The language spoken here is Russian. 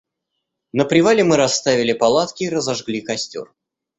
На привале мы расставили палатки и разожгли костёр.